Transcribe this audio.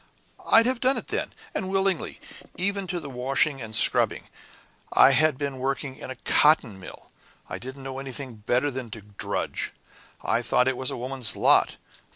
I'd have done it then, and willingly, even to the washing and scrubbing. I had been working in a cotton mill. I didn't know anything better than to drudge. I thought that was a woman's lot.